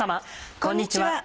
こんにちは。